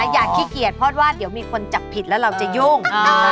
ขี้เกียจเพราะว่าเดี๋ยวมีคนจับผิดแล้วเราจะยุ่ง